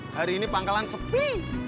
hari ini pangkalan sepi